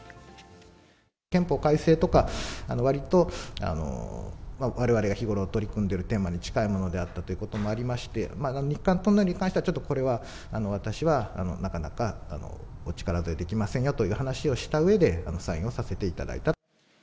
憲法改正とか、わりと、われわれが日頃取り組んでるテーマに近いものであったということもありまして、日韓トンネルに関してはこれは、私は、なかなかお力添えできませんよという話をしたうえで、サインをさせていただいた。